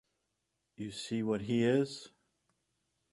You see what he is!